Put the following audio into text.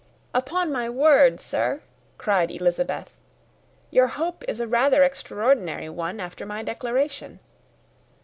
"Upon my word, sir," cried Elizabeth, "your hope is rather an extraordinary one after my declaration.